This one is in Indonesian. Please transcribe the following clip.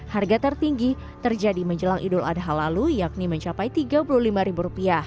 harga tertinggi terjadi menjelang idul adha lalu yakni mencapai rp tiga puluh lima